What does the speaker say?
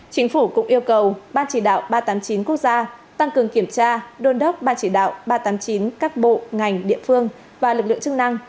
chính phủ cũng yêu cầu ban chỉ đạo ba trăm tám mươi chín quốc gia tăng cường kiểm tra đôn đốc ban chỉ đạo ba trăm tám mươi chín các bộ ngành địa phương và lực lượng chức năng